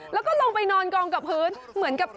แล้วก็ลงไปนอนกองกับพื้นเหมือนกับ